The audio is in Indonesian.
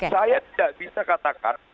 saya tidak bisa katakan